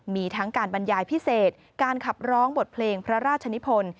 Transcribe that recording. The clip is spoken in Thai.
มีทั้งการบรรยายพิเศษการขับร้องบทเพลงพระราชนิพล